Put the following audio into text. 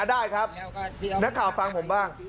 ได้ครับนักข่าวฟังผมบ้าง